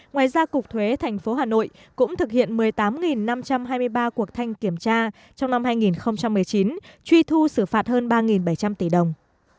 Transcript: ngoài ra cục thuế thành phố hà nội cũng thực hiện một mươi tám năm trăm hai mươi ba cuộc thanh kiểm tra trong năm hai nghìn một mươi chín truy thu xử phạt hơn ba bảy trăm linh tỷ đồng